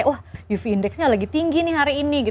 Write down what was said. wah uv indexnya lagi tinggi nih hari ini